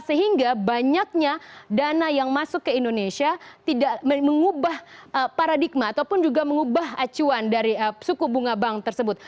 sehingga banyaknya dana yang masuk ke indonesia tidak mengubah paradigma ataupun juga mengubah acuan dari suku bunga bank tersebut